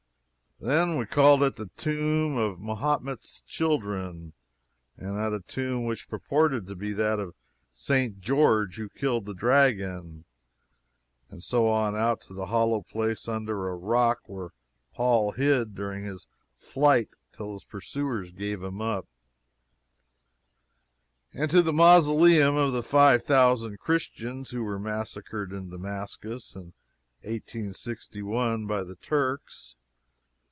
Then we called at the tomb of Mahomet's children and at a tomb which purported to be that of St. George who killed the dragon, and so on out to the hollow place under a rock where Paul hid during his flight till his pursuers gave him up; and to the mausoleum of the five thousand Christians who were massacred in Damascus in 1861 by the Turks.